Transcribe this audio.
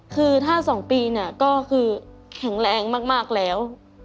คือถ้า๒ปีเนี่ยก็คือแข็งแรงมากแล้ว